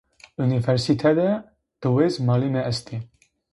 Unîversîte de diwês malimî est ê